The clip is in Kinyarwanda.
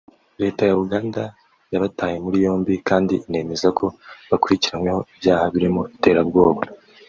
Leta ya Uganda yabataye muri yombi kandi inemeza ko bakurikiranyweho ibyaha birimo iterabwoba